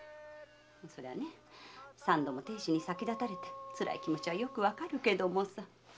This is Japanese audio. そりゃね三度も亭主に先立たれて辛い気持ちはよくわかるけどさ。